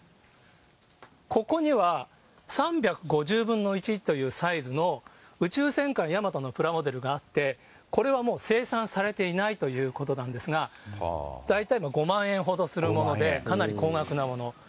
ここには、３５０分の１というサイズの、宇宙戦艦ヤマトのプラモデルがあって、これはもう、生産されていないということなんですが、大体５万円ほどするもので、かなり高額なもの。